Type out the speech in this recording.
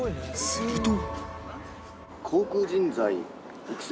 すると